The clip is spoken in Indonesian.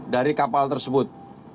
dari kapal tersebut